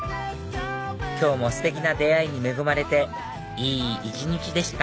今日もステキな出会いに恵まれていい一日でした